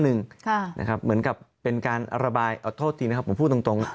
นะครับเหมือนกับเป็นการระบายโทษทีนะครับผมพูดตรง